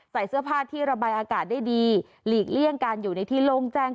ใส่เสื้อผ้าที่ระบายอากาศได้ดีหลีกเลี่ยงการอยู่ในที่โล่งแจ้ง